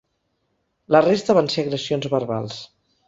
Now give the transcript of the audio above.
La resta van ser agressions verbals.